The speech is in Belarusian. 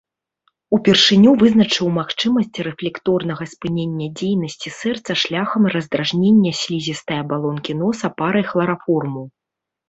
Упершыню вызначыў магчымасць рэфлекторнага спынення дзейнасці сэрца шляхам раздражнення слізістай абалонкі носа парай хлараформу.